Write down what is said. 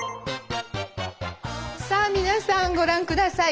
さあ皆さんご覧下さい。